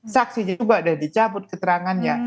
saksi juga sudah dicabut keterangannya